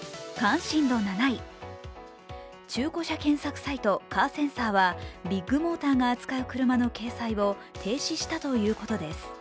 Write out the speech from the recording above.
中古車検索サイトカーセンサーはビッグモーターが扱う車の掲載を停止したということです。